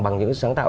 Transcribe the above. bằng những sáng tạo